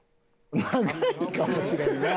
長いかもしれんなあ。